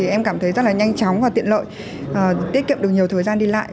em cảm thấy rất là nhanh chóng và tiện lợi tiết kiệm được nhiều thời gian đi lại